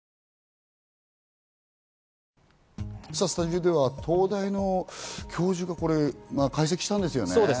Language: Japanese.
スタジオでは東大の教授が解析したんですよね、これ。